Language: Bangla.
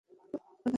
পয়দা করতে পারি না।